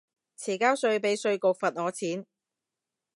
遲交稅被稅局罰我錢